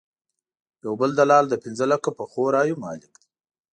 یو بل دلال د پنځه لکه پخو رایو مالک دی.